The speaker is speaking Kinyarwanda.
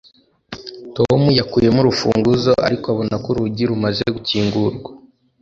tom yakuyemo urufunguzo, ariko abona ko urugi rumaze gukingurwa